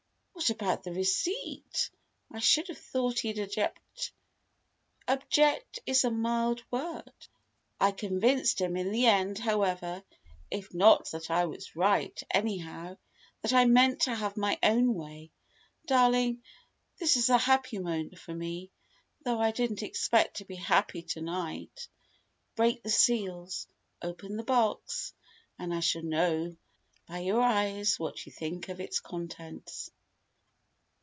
"What about the receipt? I should have thought he'd object " "'Object' is a mild word. I convinced him in the end, however if not that I was right, anyhow that I meant to have my own way. Darling, this is a happy moment for me though I didn't expect to be happy to night. Break the seals. Open the box. And I shall know by your eyes what you think of its contents."